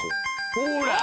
ほら！